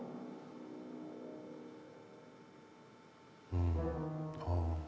うんああ。